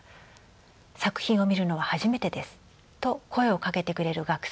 作品を見るのは初めてです」と声をかけてくれる学生さんもいます。